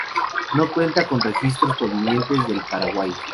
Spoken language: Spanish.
No cuenta con registros provenientes del Paraguay.